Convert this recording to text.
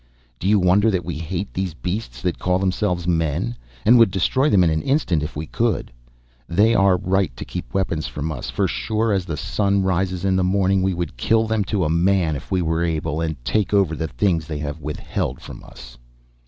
Do you wonder that we hate these beasts that call themselves men, and would destroy them in an instant if we could? They are right to keep weapons from us for sure as the sun rises in the morning we would kill them to a man if we were able, and take over the things they have withheld from us."